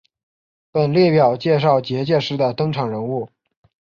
本列表介绍结界师的登场人物。